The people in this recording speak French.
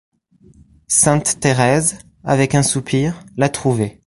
Sainte-Thérèse, avec un soupir, l’a trouvé.